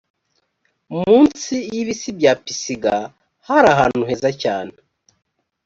mu nsi y’ibisi bya pisiga hari ahantu heza cyane